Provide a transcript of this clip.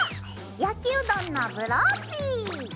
焼きうどんのブローチ。